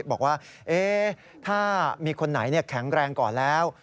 บอกว่าถ้ามีคนไหนแข็งแรงก่อนแล้ว